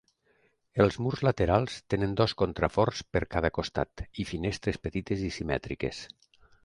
Els murs laterals tenen dos contraforts per cada costat i finestres petites i simètriques.